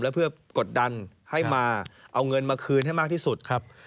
แล้วเพื่อกดดันให้มาเอาเงินมาคืนให้มากที่สุดครับ